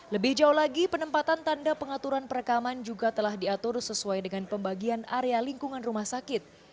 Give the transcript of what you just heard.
lebih jauh lagi penempatan tanda pengaturan perekaman juga telah diatur sesuai dengan pembagian area lingkungan rumah sakit